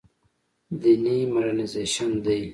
دیني مډرنیزېشن دی.